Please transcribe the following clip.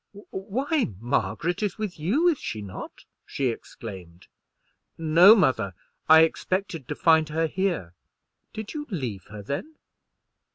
"Why, Margaret is with you, is she not?" she exclaimed. "No, mother; I expected to find her here." "Did you leave her, then?"